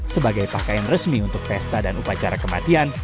sebagai pakaian resmi untuk pesta dan upacara kematian